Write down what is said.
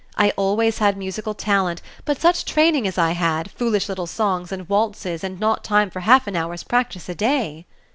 I always had musical talent, but such training as I had, foolish little songs and waltzes and not time for half an hour's practice a day."